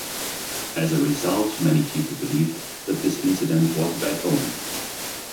As a result, many people believed that this incident was a bad omen.